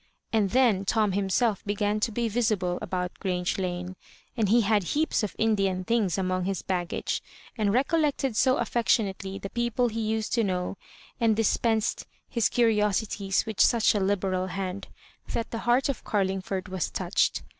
And then Tom hun self began to be visible about Grange Lane ; and he had heaps of Indian things among his baggage, and recollected so affectionately the people he used to know, and dispensed his curi osities with such a liberal hand, that the heart of Garlingford was touched.